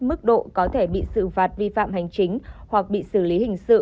mức độ có thể bị xử phạt vi phạm hành chính hoặc bị xử lý hình sự